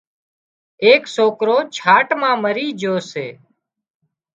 ايڪ سوڪرو ڇاٽ مان مري جھو سي